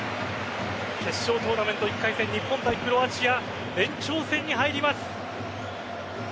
決勝トーナメント１回戦日本対クロアチア延長戦に入ります。